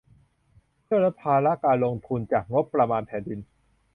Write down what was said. เพื่อลดภาระการลงทุนจากงบประมาณแผ่นดิน